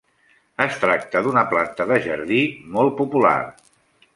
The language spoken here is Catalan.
Es tracta d'una planta de jardí molt popular.